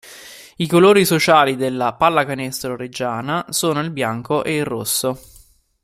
I colori sociali della Pallacanestro Reggiana sono il bianco e il rosso.